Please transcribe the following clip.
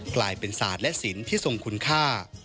กลายเป็นศาสตร์และศิลป์ที่ทรงคุณค่า